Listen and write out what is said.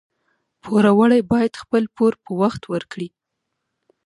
پوروړي باید خپل پور په وخت ورکړي